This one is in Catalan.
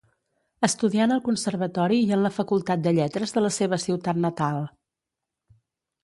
Estudià en el Conservatori i en la Facultat de Lletres de la seva ciutat natal.